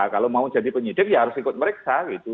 kalau mau jadi penyidik ya harus ikut meriksa gitu